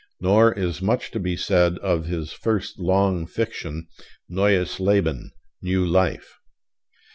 Nor is much to be said of his first long fiction, 'Neues Leben' (New Life).